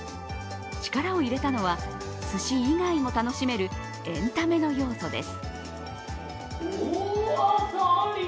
力を入れたのは、すし以外も楽しめるエンタメの要素です。